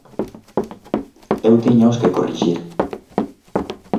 Eu tíñaos que corrixir.